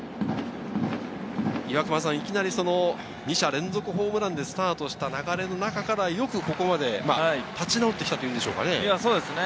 いきなり２者連続ホームランでスタートした流れの中からよくここまで立ち直ってきたというんでしょうかね。